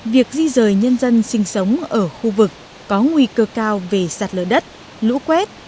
việc di rời nhân dân sinh sống ở khu vực có nguy cơ cao về sạt lở đất lũ quét